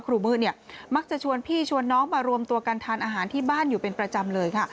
มือเนี่ยมักจะชวนพี่ชวนน้องมารวมตัวกันทานอาหารที่บ้านอยู่เป็นประจำเลยค่ะ